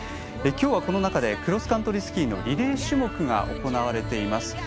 今日はこの中でクロスカントリースキーのリレー種目が行われています。